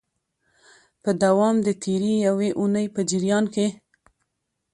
په دوام د تیري یوې اونۍ په جریان کي